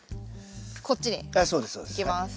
こっちにいきます。